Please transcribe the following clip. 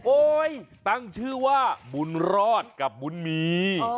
ตั้งชื่อว่าบุญรอดกับบุญมี